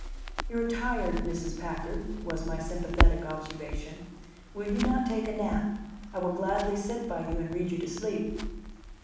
"You are tired, Mrs. Packard," was my sympathetic observation. "Will you not take a nap? I will gladly sit by you and read you to sleep."